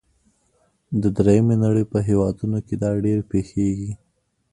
د دریمې نړۍ په هیوادونو کې دا ډیر پیښیږي.